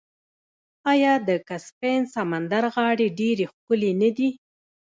آیا د کسپین سمندر غاړې ډیرې ښکلې نه دي؟